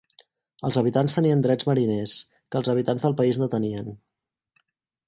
Els habitants tenien drets mariners, que els habitants del país no tenien.